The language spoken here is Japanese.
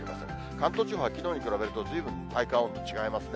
関東地方はきのうに比べると、ずいぶん体感温度違いますね。